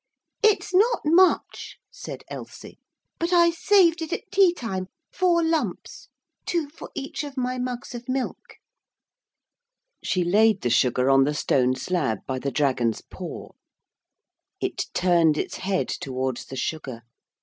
'It's not much,' said Elsie, 'but I saved it at tea time. Four lumps. Two for each of my mugs of milk.' She laid the sugar on the stone slab by the dragon's paw. It turned its head towards the sugar.